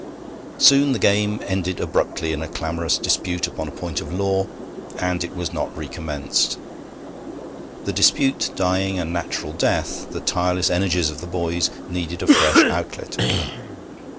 Soon the game ended abruptly in a clamorous dispute upon a point of law, and it was not recommenced. The dispute dying a natural death, the tireless energies of the boys needed a fresh outlet.